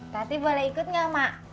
tati boleh ikut gak mbak